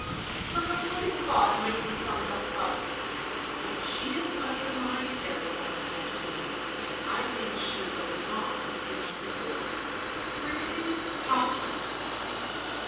Her concluding thought might be summed up thus: "When she is under my care, my young gentleman, I think she will not be under yours. Preposterous!"